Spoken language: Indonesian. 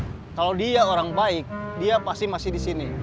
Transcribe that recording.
karena kalau dia orang baik dia pasti masih di sini